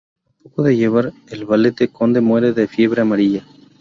A poco de llegar, el valet del conde muere de fiebre amarilla.